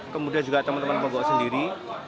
kemudian juga teman teman pokok sendiri